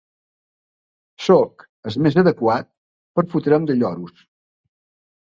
Sóc el més adequat per fotre'm de lloros.